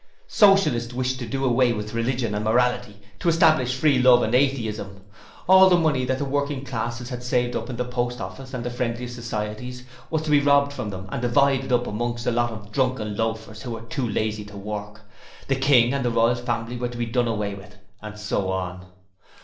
Socialists wished to do away with religion and morality! to establish free love and atheism! All the money that the working classes had saved up in the Post Office and the Friendly Societies, was to be Robbed from them and divided up amongst a lot of drunken loafers who were too lazy to work. The King and all the Royal Family were to be Done Away with! and so on.